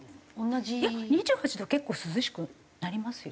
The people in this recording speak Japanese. いや２８度結構涼しくなりますよ。